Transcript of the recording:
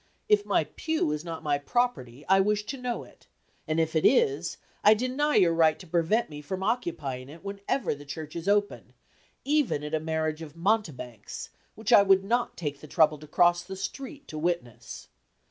If my pew is not my property, I wish to know it; and if it is, I deny your right to prevent me from occupying it whenever the church is open, even at a marriage of mountebanks, which I would not take the trouble to cross the street to witness.